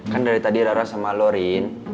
kan dari tadi rara sama lo rin